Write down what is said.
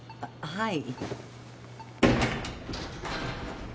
はい。